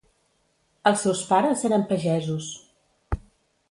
Els seus pares eren pagesos.